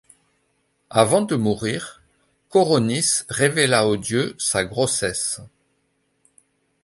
Avant de mourir, Coronis révéla au dieu sa grossesse.